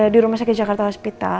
di rumah sakit jakarta hospita